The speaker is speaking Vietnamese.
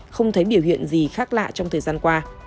không thấy biểu hiện gì khác lạ trong thời gian qua